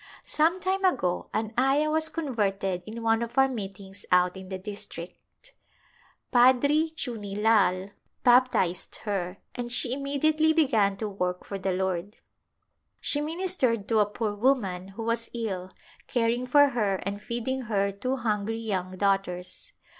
" Some time ago an ayah was converted in one of our meetings out in the district; Padri Chunni Lai A Glimpse of India baptized her and she immediately began to work for the Lord. She ministered to a poor woman who was ill, caring for her and feeding her two hungry young daughters.